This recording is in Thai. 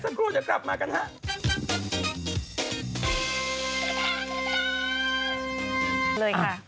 เอาเพลงกันสักครู่จะกลับมากันฮะ